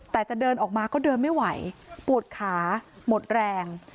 แต่จะเดินออกมาก็เดินไม่ไหวปวดขาหมดแรง